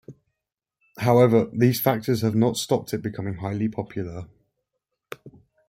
However these factors have not stopped it becoming highly popular.